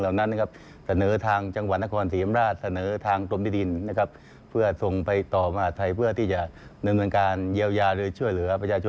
และเหล่านั้นเสนอทางจังหวันละครศรีอำราช